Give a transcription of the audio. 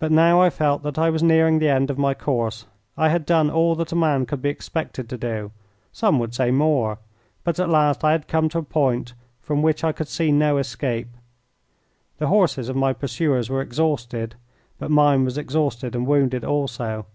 But now I felt that I was nearing the end of my course. I had done all that a man could be expected to do some would say more but at last I had come to a point from which I could see no escape. The horses of my pursuers were exhausted, but mine was exhausted and wounded also.